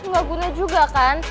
gak guna juga kan